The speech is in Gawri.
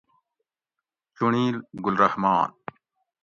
چُنڑیل: گل رحمان